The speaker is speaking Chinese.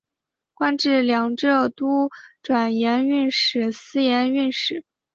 官至两浙都转盐运使司盐运使。